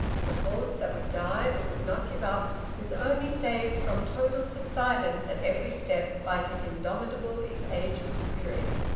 The horse that would die but would not give up, was only saved from total subsidence at every step by his indomitable if aged spirit.